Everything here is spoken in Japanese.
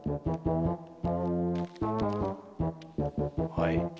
はい。